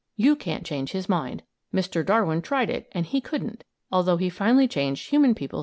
You can't change his mind. Mr. Darwin tried it and he couldn't; although he finally changed human people's minds a lot.